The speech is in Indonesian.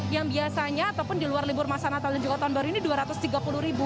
yang biasanya ataupun di luar libur masa natal dan juga tahun baru ini dua ratus tiga puluh ribu